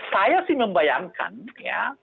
saya sih membayangkan ya